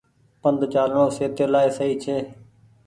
پند چآلڻو سهتي لآئي سئي ڇي۔